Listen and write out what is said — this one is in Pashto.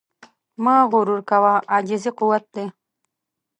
مه غرور کوه، عاجزي قوت دی.